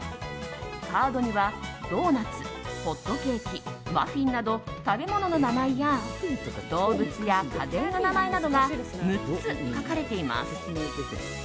カードにはドーナツ、ホットケーキマフィンなど食べ物の名前や動物や家電の名前などが６つ書かれています。